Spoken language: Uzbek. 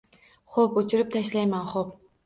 — Xo‘p, o‘chirib tashlayman, xo‘p.